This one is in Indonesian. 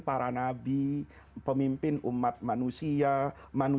sebenarnya keistimewaan polatik